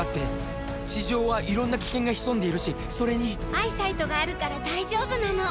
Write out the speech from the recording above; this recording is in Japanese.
アイサイトがあるから大丈夫なの！